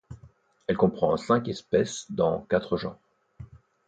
Elle comprend cinq espèces dans quatre genres.